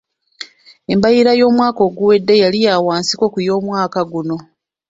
Embalirira y'omwaka oguwedde yali ya wansiko ku y'omwaka guno.